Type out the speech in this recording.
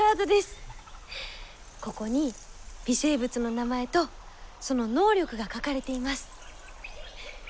ここに微生物の名前とその能力が書かれています。